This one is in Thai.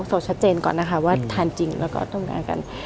สดชัดเจนก่อนนะคะว่าทานจริงแล้วก็ต้องทานกัน